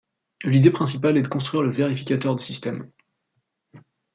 L'idée principale est de construire le vérificateur de système.